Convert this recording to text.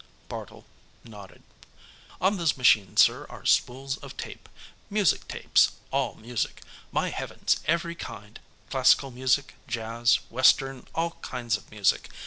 Bartle nodded. "On those machines, sir, are spools of tape. Music tapes, all music. My heavens, every kind: classical music, jazz, western, all kinds of music.